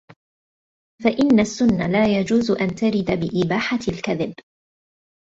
فَإِنَّ السُّنَّةَ لَا يَجُوزُ أَنْ تَرِدَ بِإِبَاحَةِ الْكَذِبِ